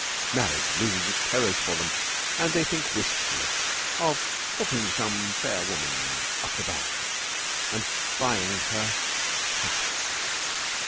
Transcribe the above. Marriage loses its terrors for them, and they think wistfully of hooking some fair woman up the back and buying her hats.